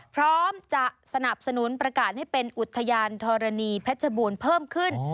พร้อมจะสนับสนุนประกาศให้เป็นอุทยานธรณีเพชรบูรณ์เพิ่มขึ้น